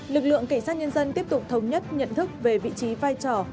lực lượng cảnh sát nhân dân tiếp tục thống nhất nhận thức về vị trí vai trò